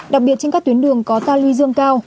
đặc biệt trên các tuyến đường có ta lưu dương cao